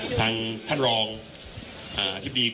คุณผู้ชมไปฟังผู้ว่ารัฐกาลจังหวัดเชียงรายแถลงตอนนี้ค่ะ